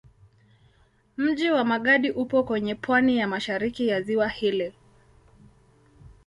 Mji wa Magadi upo kwenye pwani ya mashariki ya ziwa hili.